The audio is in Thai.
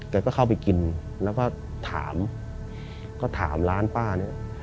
ก็เข้าไปกินแล้วก็ถามก็ถามร้านป้าเนี่ย